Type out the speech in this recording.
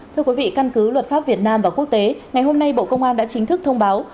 thưa quý vị căn cứ luật pháp việt nam và quốc tế ngày hôm nay bộ công an đã chính thức thông báo